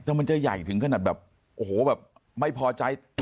แต่มันจะใหญ่ถึงขนาดแบบโอ้โหแบบไม่พอใจ